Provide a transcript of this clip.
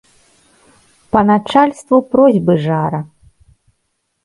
Па начальству просьбы жара!